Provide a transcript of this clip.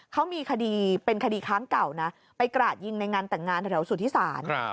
เขามีคดีเป็นคดีค้างเก่านะไปกราดยิงในงานแต่งงานแถวสุธิศาล